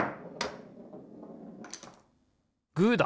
グーだ！